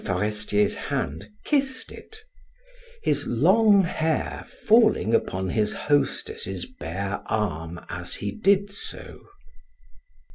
Forestier's hand kissed it; his long hair falling upon his hostess's bare arm as he did so.